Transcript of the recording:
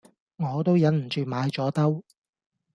我都忍唔住買咗兜